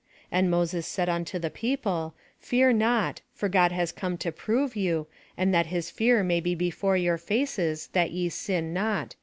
And Moses said unto the people, Fear not, for God has come to prove you, and that his fear may be before your faces that ye sin not.''